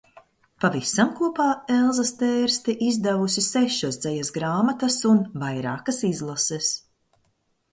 Pavisam kopā Elza Stērste izdevusi sešas dzejas grāmatas un vairākas izlases.